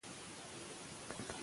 هندوکش د ژوند په کیفیت تاثیر کوي.